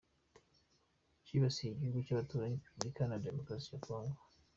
cyibasiye igihugu cy’abaturanyi, Repubulika Iharanira Demokarasi ya Congo